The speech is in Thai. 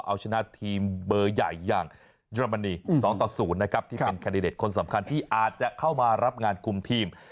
เอาชนะทีมเบอร์ใหญ่อย่างเยอรมนี๒ต่อ๐นะครับที่เป็นแคนดิเดตคนสำคัญที่อาจจะเข้ามารับงานคุมทีม